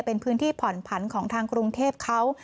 เป็นพื้นที่ผ่อนผันของทางกรุงเทพเขา